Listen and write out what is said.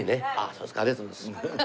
そうですかありがとうございます。